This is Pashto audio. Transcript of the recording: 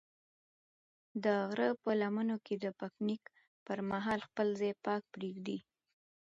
د غره په لمنو کې د پکنیک پر مهال خپل ځای پاک پرېږدئ.